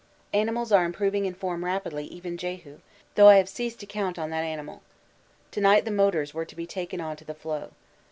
Animals are improving in form rapidly, even Jehu, though I have ceased to count on that animal. To night the motors were to be taken on to the floe.